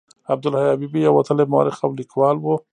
عبدالحي حبیبي یو وتلی مورخ او لیکوال و.